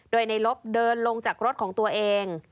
โดยในลบเดินลงจากรถของตัวเอง